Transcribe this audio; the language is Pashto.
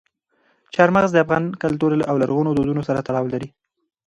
چار مغز د افغان کلتور او لرغونو دودونو سره تړاو لري.